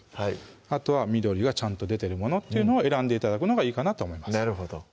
あとは緑がちゃんと出てるものっていうのを選んで頂くのがいいかなと思います